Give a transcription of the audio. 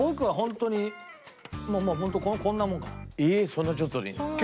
そんなちょっとでいいんですか？